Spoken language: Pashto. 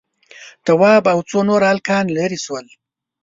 تواب او څو نور هلکان ليرې شول.